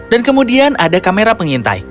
dan kemudian ada kamera pengintai